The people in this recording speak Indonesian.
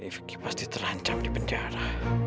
vicky pasti terancam di penjara